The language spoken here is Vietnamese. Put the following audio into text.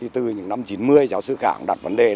từ năm một nghìn chín trăm chín mươi giáo sư khẳng đặt vấn đề